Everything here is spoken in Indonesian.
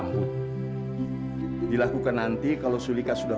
sudah sudah sudah